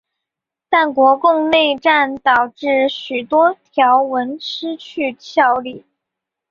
但国共内战导致许多条文失去效力。